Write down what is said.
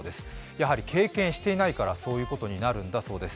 やはり、経験していないからそういうことになるんだそうです。